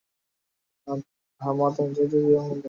Hamad আন্তর্জাতিক বিমানবন্দর।